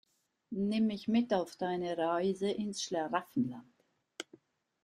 Nimm mich mit auf deine Reise ins Schlaraffenland.